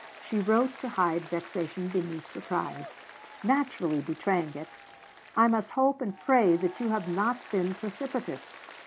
She wrote to hide vexation beneath surprise; naturally betraying it. 'I must hope and pray that you have not been precipitate.'